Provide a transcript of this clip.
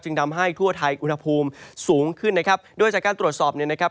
ทำให้ทั่วไทยอุณหภูมิสูงขึ้นนะครับโดยจากการตรวจสอบเนี่ยนะครับ